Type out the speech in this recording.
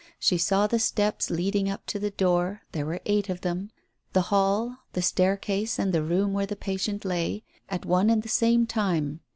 She saw the steps leading up to the door — there were eight of them — the hall, the staircase and the room where the patient lay, at one and the same time.